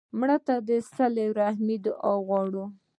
مړه ته د صله رحمي دعا غواړو